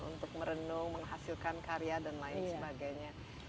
untuk merenung menghasilkan karya dan lain sebagainya